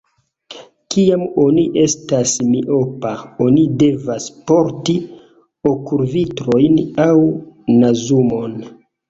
Kiam oni estas miopa oni devas porti okulvitrojn aŭ nazumon.